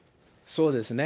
そうですね。